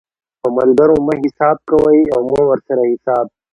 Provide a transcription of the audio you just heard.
په ملګرو مه حساب کوئ او مه ورسره حساب